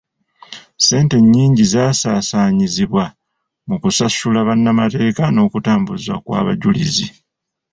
Ssente nnyingi zaasaasaaanyizibwa mu kusasula bannamateeka n'okutambuza kw'abajulizi.